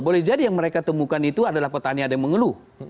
boleh jadi yang mereka temukan itu adalah petani ada yang mengeluh